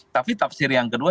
tapi tafsir yang kedua